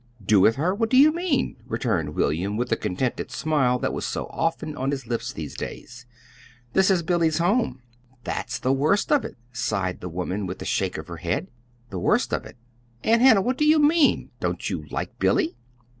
"Do with her? What do you mean?" returned William with the contented smile that was so often on his lips these days. "This is Billy's home." "That's the worst of it," sighed the woman, with a shake of her head. "The worst of it! Aunt Hannah, what do you mean? Don't you like Billy?"